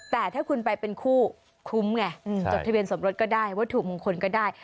แต่ถ้าคุณไปเป็นคู่คุ้มไงจดทะเบียนสมรสก็ได้วัตถุมงคลก็ได้